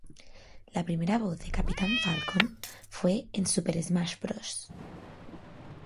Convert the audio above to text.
La primera voz de Captain Falcon fue en Super Smash Bros.